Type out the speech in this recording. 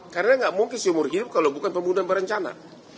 karena nggak mungkin si umur hidup kalau bukan pembunuhan berencana